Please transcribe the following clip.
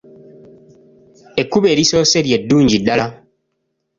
Ekkubo erisoose lye ddungi ddala.